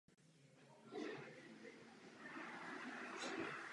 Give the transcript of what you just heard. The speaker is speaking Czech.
Situace vyžaduje skutečnou solidaritu.